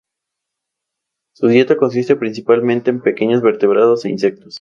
Su dieta consiste principalmente de pequeños vertebrados e insectos.